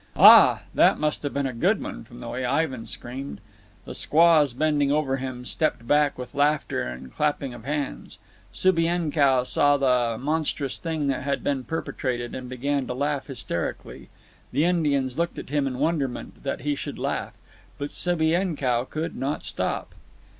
Ah! that must have been a good one, from the way Ivan screamed. The squaws bending over him stepped back with laughter and clapping of hands. Subienkow saw the monstrous thing that had been perpetrated, and began to laugh hysterically. The Indians looked at him in wonderment that he should laugh. But Subienkow could not stop.